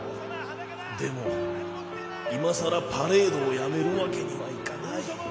でもいまさらパレードをやめるわけにはいかない」。